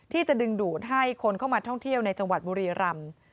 ที่จะดึงดูดให้คนเข้ามาท่องเที่ยวในจังหวัดบุรีรำ